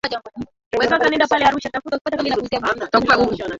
ulipoingia nchini Kiswahili kilikuwa tayari kimeimarika Hivyo